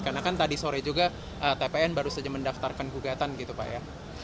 karena kan tadi sore juga tpn baru saja mendaftarkan gugatan gitu pak ya